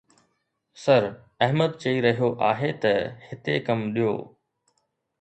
سر احمد چئي رهيو آهي ته هتي ڪم ڏيو